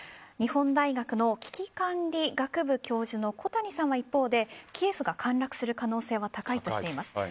日本大学の危機管理学部教授の小谷さんは一方でキエフが陥落する可能性は高いとしています。